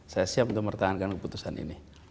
saya siap untuk mempertahankan keputusan ini